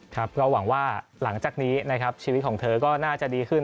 ครับก็หวังว่าหลังจากนี้นะครับชีวิตของเธอก็น่าจะดีขึ้น